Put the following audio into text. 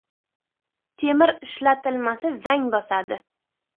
• Temir ishlatilmasa, zang bosadi.